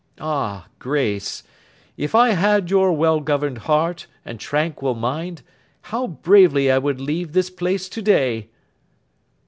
Ah, Grace! If I had your well governed heart, and tranquil mind, how bravely I would leave this place to day!